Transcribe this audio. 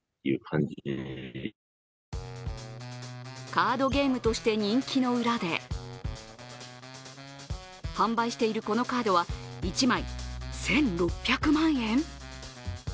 カードゲームとして人気の裏で販売しているこのカードは１枚１６００万円？